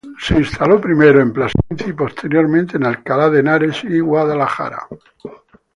Se instaló primero en Plasencia y posteriormente en Alcalá de Henares y Guadalajara.